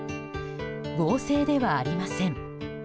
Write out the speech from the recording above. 合成ではありません。